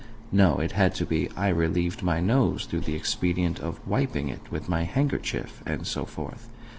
No, it had to be, "I relieved my nose through the expedient of wiping it with my handkerchief," and so forth.